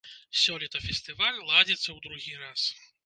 Сёлета фестываль ладзіцца ў другі раз.